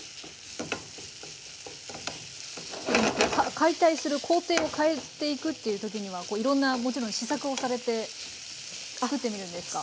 解体する工程を変えていくっていうときにはいろんなもちろん試作をされて作ってみるんですか？